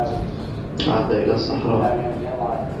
عاد إلى الصّحراء.